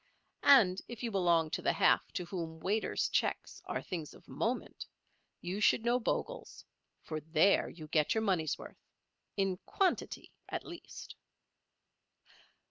And if you belong to the half to whom waiters' checks are things of moment, you should know Bogle's, for there you get your money's worth—in quantity, at least.